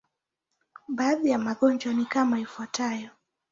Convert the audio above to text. Baadhi ya magonjwa ni kama ifuatavyo.